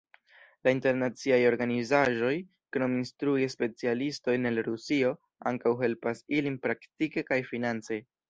La internaciaj organizaĵoj, krom instrui specialistojn el Rusio, ankaŭ helpas ilin praktike kaj finance.